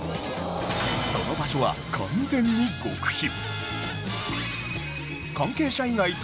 その場所は完全に極秘